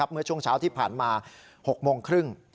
เมื่อช่วงเช้าที่ผ่านมา๖โมงครึ่ง